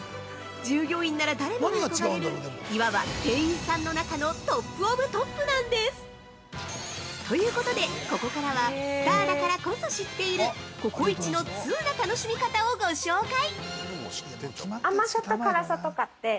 従業員なら誰もが憧れる、いわば店員さんの中のトップオブトップなんです！ということで、ここからはスターだからこそ知っているココイチの通な楽しみ方をご紹介！